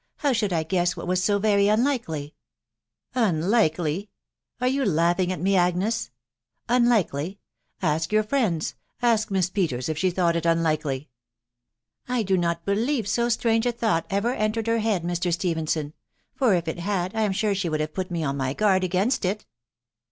.•. How should I guest wkt was so very unlikely ?M " Unlikely !.... Are you laughing at. me, Agnes? .... Unlikely ! Ask your friends — ask Miss Peters if she thought it unlikely." " I do not believe so strange a thought ever entered her •head, Mr. Stephenson ; for if it had, I am sure she would have put me on my guard against it."